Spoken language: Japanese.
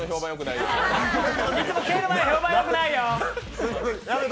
いつも蹴る前、評判よくないよ！